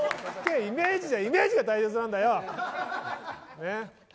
イメージが大切なんだよ！